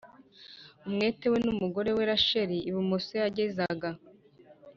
umwete we n umugore we Rachel ibumoso bagezaga